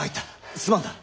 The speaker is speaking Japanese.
すまんな。